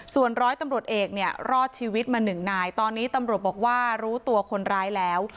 ส่วนร้อยตำรวจเอกเนี่ยรอดชีวิตมาหนึ่งนายตอนนี้ตำรวจบอกว่ารู้ตัวคนร้ายแล้ว